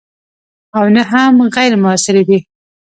او نه هم غیر موثرې دي.